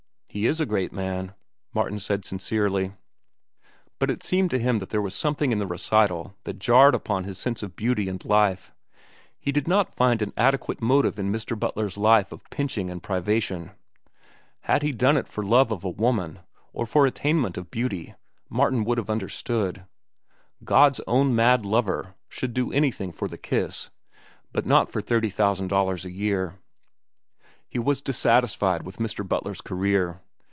"He is a great man," Martin said sincerely. But it seemed to him there was something in the recital that jarred upon his sense of beauty and life. He could not find an adequate motive in Mr. Butler's life of pinching and privation. Had he done it for love of a woman, or for attainment of beauty, Martin would have understood. God's own mad lover should do anything for the kiss, but not for thirty thousand dollars a year. He was dissatisfied with Mr. Butler's career.